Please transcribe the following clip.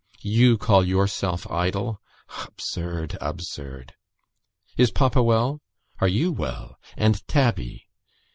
You call yourself idle! absurd, absurd! ... Is papa well? Are you well? and Tabby?